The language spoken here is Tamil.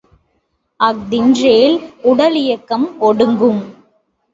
அஃதின்றேல் உடலியக்கம் ஒடுங்கும்.